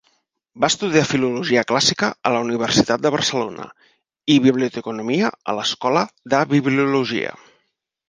Va estudiar Filologia Clàssica a la Universitat de Barcelona i Biblioteconomia a l'Escola de Bibliologia.